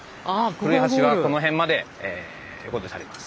古い橋はこの辺までということになります。